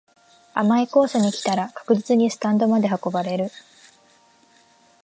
甘いコースに来たら確実にスタンドまで運ばれる